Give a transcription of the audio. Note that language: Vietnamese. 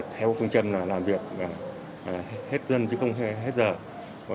theo phương chân là làm việc hết dân chứ không hết giờ